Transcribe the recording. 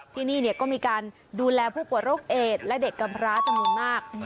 ที่นี่ก็มีการดูแลผู้ป่วยโรคเอดและเด็กกำพร้าจำนวนมาก